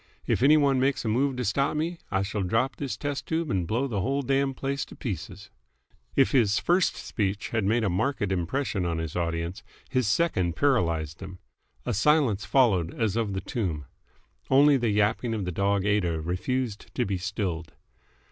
If any one makes a move to stop me, I shall drop this test tube and blow the whole damned place to pieces." If his first speech had made a marked impression on his audience, his second paralysed them. A silence followed as of the tomb. Only the yapping of the dog Aida refused to be stilled.